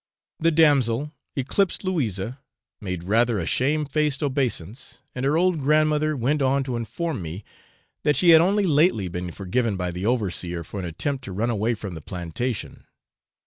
The damsel, ycleped Louisa, made rather a shame faced obeisance, and her old grandmother went on to inform me that she had only lately been forgiven by the overseer for an attempt to run away from the plantation.